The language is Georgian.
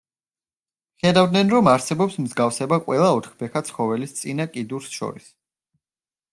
ხედავდნენ, რომ არსებობს მსგავსება ყველა ოთხფეხა ცხოველის წინა კიდურს შორის.